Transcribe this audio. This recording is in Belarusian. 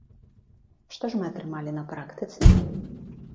Што ж мы атрымалі на практыцы?